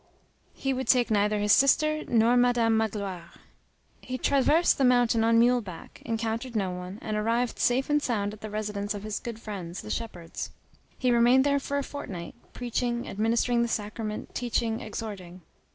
He would take neither his sister nor Madame Magloire. He traversed the mountain on mule back, encountered no one, and arrived safe and sound at the residence of his "good friends," the shepherds. He remained there for a fortnight, preaching, administering the sacrament, teaching, exhorting.